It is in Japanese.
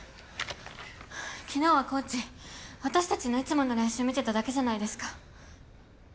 昨日はコーチ私たちのいつもの練習見てただけじゃないですか。